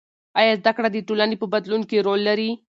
آیا زده کړه د ټولنې په بدلون کې رول لري؟